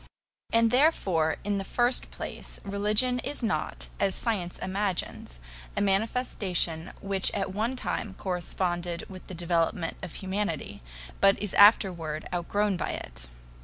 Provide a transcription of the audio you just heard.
And therefore, in the first place, religion is not, as science imagines, a manifestation which at one time corresponded with the development of humanity, but is afterward outgrown by it.